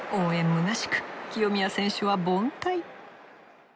むなしく清宮選手は凡退。